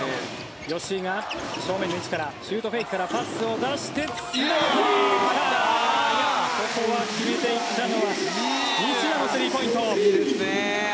吉井が正面からシュートフェイクからパスを出してここは決めていったのは西田のスリーポイント。